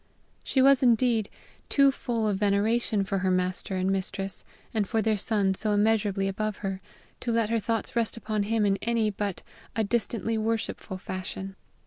She was, indeed, too full of veneration for her master and mistress, and for their son so immeasurably above her, to let her thoughts rest upon him in any but a distantly worshipful fashion.